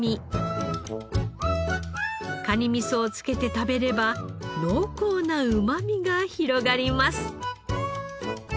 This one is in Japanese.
カニ味噌をつけて食べれば濃厚なうまみが広がります。